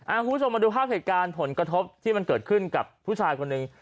คุณผู้ชมมาดูภาพเหตุการณ์ผลกระทบที่มันเกิดขึ้นกับผู้ชายคนหนึ่ง